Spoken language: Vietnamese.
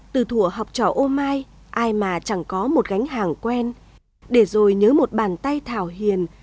từ thủa học trò ô mai ai mà chẳng có một gánh hàng quen để rồi nhớ một bàn tay thảo hiền